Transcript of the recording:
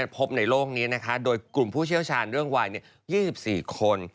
พบในโลกนี้นะคะโดยกลุ่มผู้เชี่ยวชาญเรื่องวัย๒๔คน